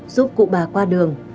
giúp cụ bà qua đường